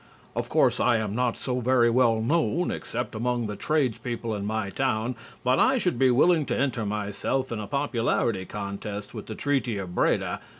Of course I am not so very well known except among the tradespeople in my town, but I should be willing to enter myself in a popularity contest with the Treaty of Breda.